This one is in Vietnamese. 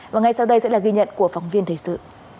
và ngay sau đây sẽ là ghi nhận của phóng viên thời sự